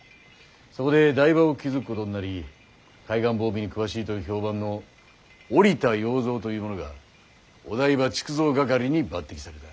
そこで台場を築くことになり海岸防備に詳しいと評判の折田要蔵という者が御台場築造掛に抜擢された。